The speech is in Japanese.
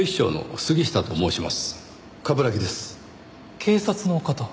警察の方。